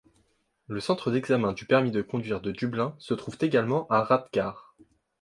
Le centre d'examen du permis de conduire de Dublin se trouve également à Rathgar.